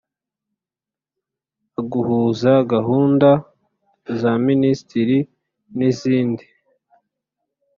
a guhuza gahunda za Minisiteri n izindi